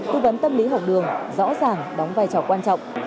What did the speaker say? tư vấn tâm lý học đường rõ ràng đóng vai trò quan trọng